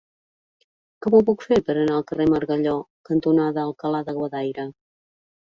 Com ho puc fer per anar al carrer Margalló cantonada Alcalá de Guadaira?